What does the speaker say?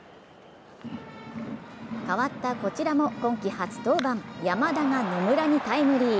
代わったこちらも今季初登板・山田が野村にタイムリー。